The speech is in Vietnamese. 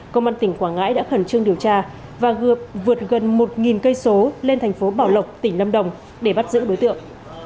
công an tỉnh quảng ngãi đã khẩn trương điều tra và gợp vượt gần một cây số lên thành phố bảo lộc tỉnh lâm đồng để bắt giữ đối tượng